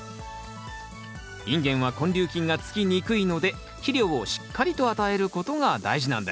インゲンは根粒菌がつきにくいので肥料をしっかりと与えることが大事なんです